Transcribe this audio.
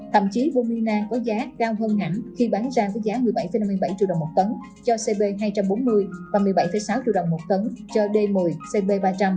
thậm chí bom mina có giá cao hơn ảnh khi bán ra với giá một mươi bảy năm mươi bảy triệu đồng một tấn cho cb hai trăm bốn mươi và một mươi bảy sáu triệu đồng một tấn cho d một mươi cb ba trăm linh